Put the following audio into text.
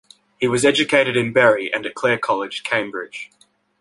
He was educated in Bury and at Clare College, Cambridge.